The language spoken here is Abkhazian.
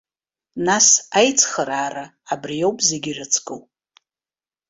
Нас аицхыраара, абри ауп зегьы ирыцку.